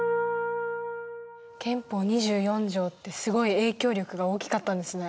憲法２４条ってすごい影響力が大きかったんですね。